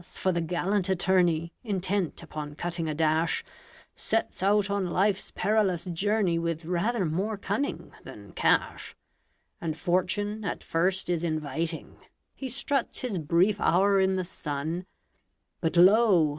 for the gallant attorney, Intent upon cutting a dash, Sets out on life's perilous journey With rather more cunning than cash. And fortune at first is inviting He struts his brief hour in the sun But, lo!